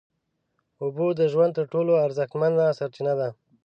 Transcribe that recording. اوبه د ژوند تر ټولو ارزښتمنه سرچینه ده